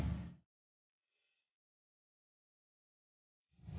bisa aja aku nyuruh randy buat jemput kamu